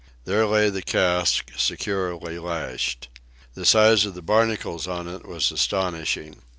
There lay the cask, securely lashed. The size of the barnacles on it was astonishing.